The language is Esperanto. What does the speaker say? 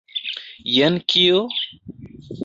Jen kio?